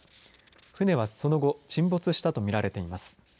船はその後沈没したと見られています。